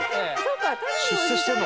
出世してんのかな？